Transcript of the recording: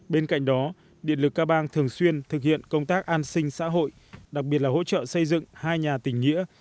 bên cạnh đó điện lực ca bang thường xuyên thực hiện công tác an sinh xã hội đặc biệt là hỗ trợ xây dựng hai nhà tình nghĩa